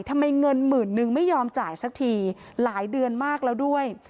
เงินหมื่นนึงไม่ยอมจ่ายสักทีหลายเดือนมากแล้วด้วย